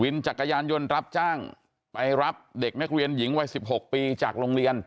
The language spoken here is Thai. จักรยานยนต์รับจ้างไปรับเด็กนักเรียนหญิงวัยสิบหกปีจากโรงเรียน